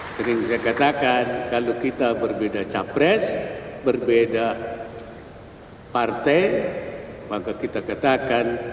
sering saya katakan kalau kita berbeda capres berbeda partai maka kita katakan